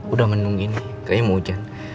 udah menunggi nih kayaknya mau hujan